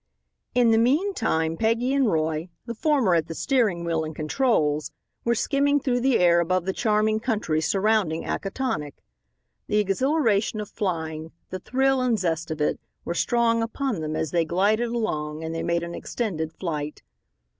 In the meantime, Peggy and Roy, the former at the steering wheel and controls, were skimming through the air above the charming country surrounding Acatonick. The exhilaration of flying, the thrill and zest of it, were strong upon them as they glided along, and they made an extended flight.